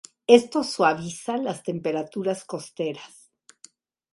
Esto suaviza las temperaturas costeras.